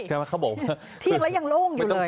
เที่ยงแล้วยังโล่งอยู่เลย